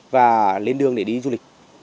và lên đường để đi du lịch